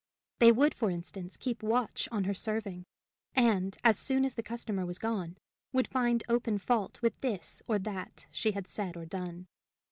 They would, for instance, keep watch on her serving, and, as soon as the customer was gone, would find open fault with this or that she had said or done.